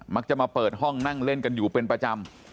มักจะมาเปิดห้องนั่งเล่นกันอยู่เป็นประจำ